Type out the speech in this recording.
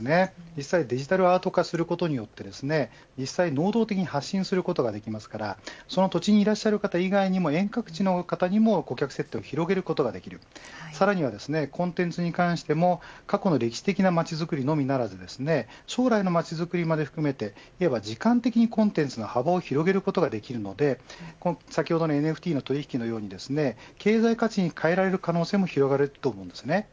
実際デジタルアート化することによって能動的に発信することができるのでその土地にいらっしゃる方以外にも、遠隔地の方にも顧客接点を広げることができるさらにはコンテンツに関しても過去の歴史的な街づくりのみならず将来の街づくりも含めて時間的にコンテンツの幅を広げることができるのでＮＦＴの取り引きのように経済価値に変えられる可能性も広げられます。